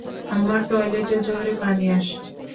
আমার টয়লেটে জোরে পানি আসে।